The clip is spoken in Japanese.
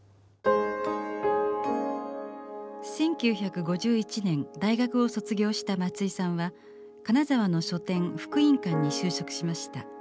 １９５１年大学を卒業した松居さんは金沢の書店福音館に就職しました。